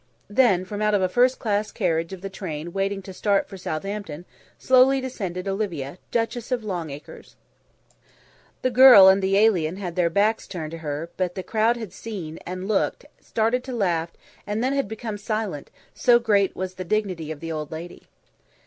Then, from out of a first class carriage of the train waiting to start for Southampton slowly descended Olivia, Duchess of Longacres. The girl and the alien had their backs turned to her, but the crowd had seen; had looked; started to laugh, and then had become silent, so great was the dignity of the old lady.